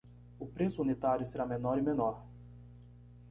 O preço unitário será menor e menor